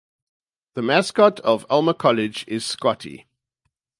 The mascot of Alma College is Scotty.